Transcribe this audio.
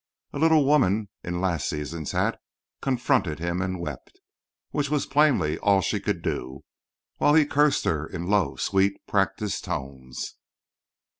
A little woman in a last season's hat confronted him and wept, which was plainly all she could do, while he cursed her in low sweet, practised tones.